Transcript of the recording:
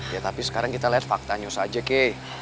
ya tapi sekarang kita lihat fakta nyos aja kei